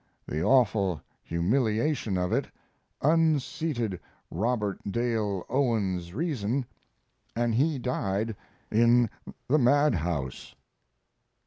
The awful humiliation of it unseated Robert Dale Owen's reason, and he died in the madhouse.